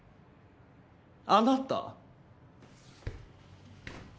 あなた。